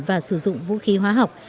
và sử dụng vũ khí hoa học